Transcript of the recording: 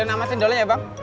sekalian amasin doleh ya bang